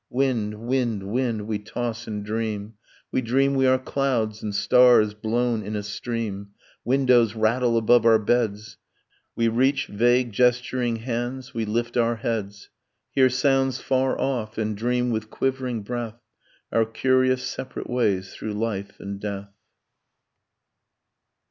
Wind, wind, wind; we toss and dream; We dream we are clouds and stars, blown in a stream: Windows rattle above our beds; We reach vague gesturing hands, we lift our heads, Hear sounds far off, and dream, with quivering breath, Our curious separate ways through life and death.